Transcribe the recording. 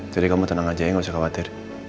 jadi kamu tenang aja ya gak usah khawatir